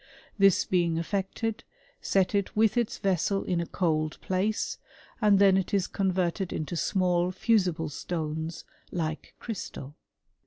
This being effected, set it with its vessel in a cold place, and then it is converted into small fusible stones, like crystal.